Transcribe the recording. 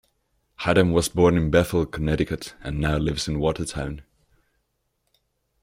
Haddam was born in Bethel, Connecticut and now lives in Watertown.